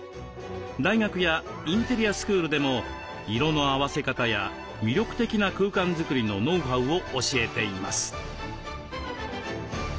大学やインテリアスクールでも色の合わせ方や魅力的な空間づくりのノウハウを教えています。